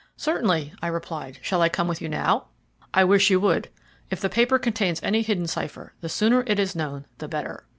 "Certainly," I replied; "shall I come with you now?" "I wish you would. If the paper contains any hidden cipher, the sooner it is known the better."